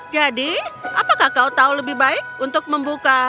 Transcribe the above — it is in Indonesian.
jadi apakah kau tahu lebih baik untuk membuka